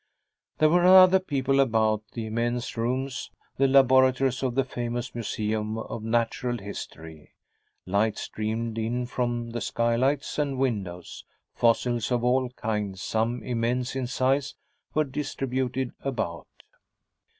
There were other people about the immense rooms, the laboratories of the famous Museum of Natural History. Light streamed in from the skylights and windows; fossils of all kinds, some immense in size, were distributed about.